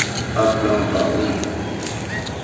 Há plâŋ pá' bə̂m.